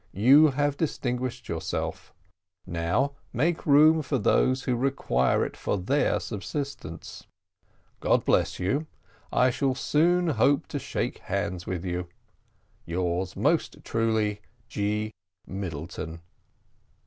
You have distinguished yourself now make room for those who require it for their subsistence. God bless you. I shall soon hope to shake hands with you. "Yours most truly: "G. Middleton."